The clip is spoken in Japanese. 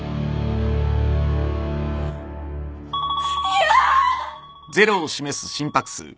嫌！